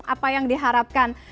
apa yang diharapkan